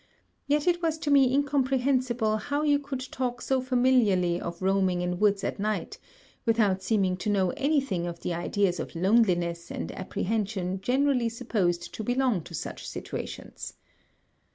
Yet it was to me incomprehensible how you could talk so familiarly of roaming in woods at night, without seeming to know any thing of the ideas of loneliness and apprehension generally supposed to belong to such situations.